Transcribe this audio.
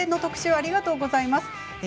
ありがとうございます。